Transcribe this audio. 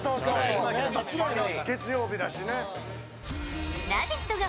間違いない。